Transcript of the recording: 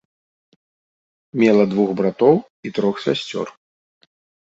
Мела двух братоў і трох сясцёр.